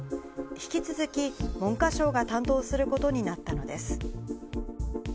引き続き文科省が担当することになったのです。